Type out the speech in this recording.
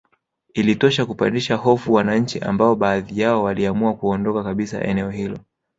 Ilitosha kupandisha hofu wananchi ambao baadhi yao waliamua kuondoka kabisa eneo hilo